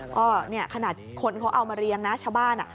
ก็เนี่ยขนาดคนเขาเอามาเรียงนะชาวบ้าน